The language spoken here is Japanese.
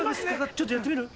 ちょっとやってみる？